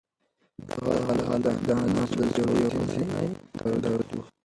دغه هلک د انا د زړه یوازینۍ درد و.